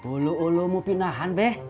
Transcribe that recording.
ulu ulu mau pindahan beh